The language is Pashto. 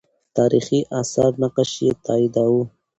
تاریخي آثار نقش یې تاییداوه.